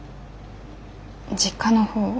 実家の方